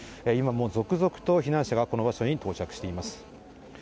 今も続々と避難者がこの場所に到着しています。